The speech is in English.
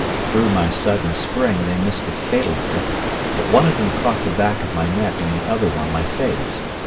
Through my sudden spring they missed a fatal grip, but one of them caught the back of my neck and the other one my face.